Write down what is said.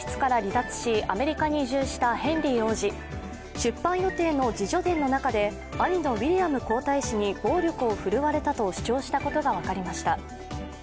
出版予定の自叙伝の中で兄のウィリアム皇太子に暴力を振るわれたと主張したことが分かりました。